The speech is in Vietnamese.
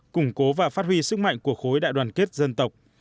củng cố và phát huy sức mạnh của khối đại đoàn kết dân tộc